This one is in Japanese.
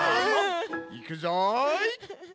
いくぞい。